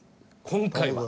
今回は？